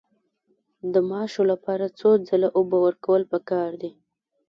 د ماشو لپاره څو ځله اوبه ورکول پکار دي؟